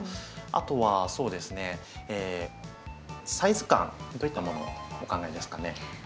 あとはそうですねサイズ感どういったものをお考えですかね？